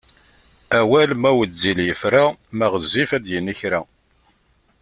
Awal ma wezzil yefra, ma ɣezzif ad d-yini kra.